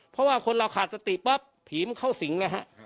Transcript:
เพราะว่าคนเราขาดสติปั๊บผีมันเข้าสิงนะฮะ